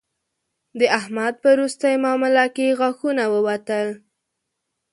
د احمد په روستۍ مامله کې غاښونه ووتل